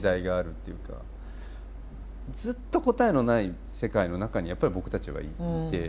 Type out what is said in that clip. ずっと答えのない世界の中にやっぱり僕たちはいて。